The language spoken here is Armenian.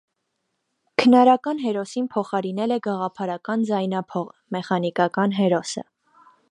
Քնարական հերոսին փոխարինել է գաղափարական ձայնափողը՝ մեխանիկական հերոսը։